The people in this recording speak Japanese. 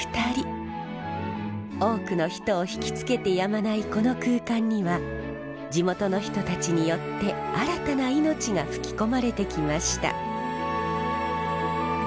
多くの人を引き付けてやまないこの空間には地元の人たちによって新たな命が吹き込まれてきました。